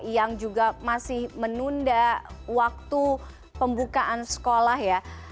yang juga masih menunda waktu pembukaan sekolah ya